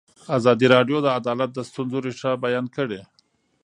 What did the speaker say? ازادي راډیو د عدالت د ستونزو رېښه بیان کړې.